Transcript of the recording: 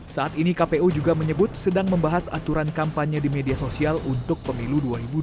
saat ini kpu juga menyebut sedang membahas aturan kampanye di media sosial untuk pemilu dua ribu dua puluh